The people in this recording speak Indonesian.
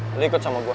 lo mau ikut sama gue